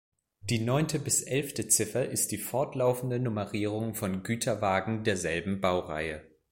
Die neunte bis elfte Ziffer ist die fortlaufende Nummerierung von Güterwagen derselben Baureihe.